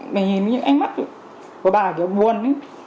mình nhìn những ánh mắt của bà kiểu buồn